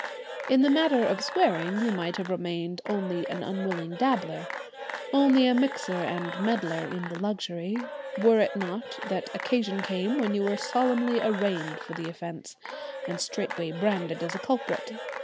In the matter of swearing you might have remained only an unwilling dabbler, only a mixer and meddler in the luxury, were it not that occasion came when you were solemnly arraigned for the offence, and straightway branded as a culprit.